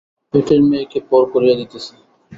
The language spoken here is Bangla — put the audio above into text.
পেটের মেয়েকে পর করিয়া দিতেছে।